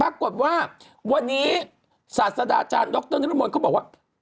ปรากฏว่าวันนี้ศาสดาอาจารย์ดรนนิรมนต์เขาบอกว่า